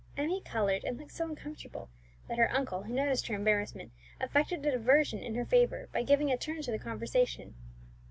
Emmie coloured, and looked so uncomfortable, that her uncle, who noticed her embarrassment, effected a diversion in her favour by giving a turn to the conversation.